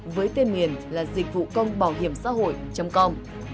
với tên miền là dịchvucôngbảohiểmxãhội com